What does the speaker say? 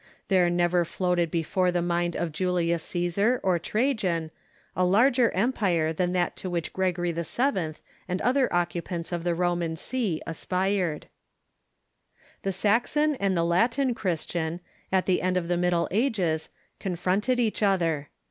There never floated before the mind of Julius Ctesar or Trajan a larger empire than that to which Gregory VII. and other oc cupants of the Roman see aspired. The Saxon and the Latin Christian, at the end of the Mid dle Ages, confronted each other.